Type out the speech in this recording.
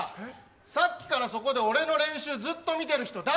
さっきからそこで俺の練習ずっと見てる人誰？